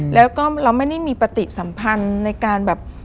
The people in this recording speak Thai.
แล้วก็เราไม่ได้มีปฏิสัมพันธ์ในการแบบ